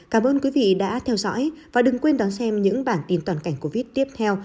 cảm ơn quý vị đã theo dõi và đừng quên đón xem những bản tin toàn cảnh covid tiếp theo